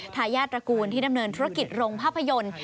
ทายาทตระกูลที่ดำเนินธุรกิจโรงภาพยนตร์